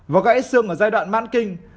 và gãy xương ở giai đoạn man kinh